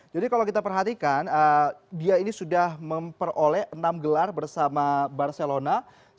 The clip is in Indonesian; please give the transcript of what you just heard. jadi kalau kita perhatikan dia ini sudah memperoleh enam gelar bersama barcelona